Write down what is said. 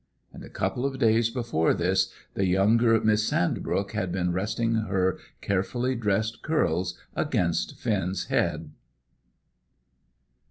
And a couple of days before this, the younger Miss Sandbrook had been resting her carefully dressed curls against Finn's head.